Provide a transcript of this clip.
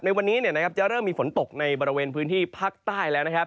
ในวันนี้จะเริ่มมีฝนตกในบริเวณพื้นที่ภาคใต้แล้วนะครับ